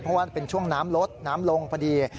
เพราะว่าเป็นช่วงน้ำลดน้ำลงพอดี